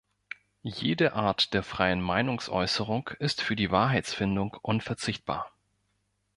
Jede Art der freien Meinungsäußerung ist für die Wahrheitsfindung unverzichtbar.